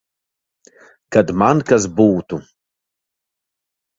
Kad man kas būtu.